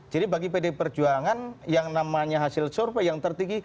jadi bagi pd perjuangan yang namanya hasil survei yang tertinggi